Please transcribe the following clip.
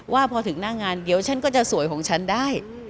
ว่าพอถึงหน้างานเดี๋ยวฉันก็จะสวยของฉันได้